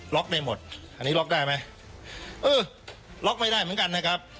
ได้หมดอันนี้ล็อกได้ไหมเออล็อกไม่ได้เหมือนกันนะครับ